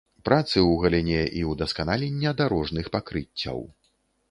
Працы ў галіне і ўдасканалення дарожных пакрыццяў.